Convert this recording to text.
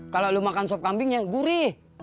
kalau lo makan sop kambingnya gurih